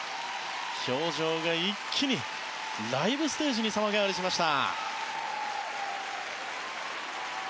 氷上が一気にライブステージに様変わりしました。